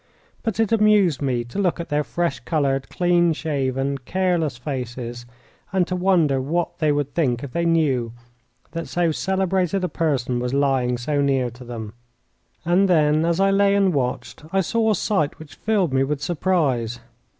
But it amused me to look at their fresh coloured, clean shaven, careless faces, and to wonder what they would think if they knew that so celebrated a person was lying so near to them. And then, as I lay and watched, I saw a sight which filled me with surprise.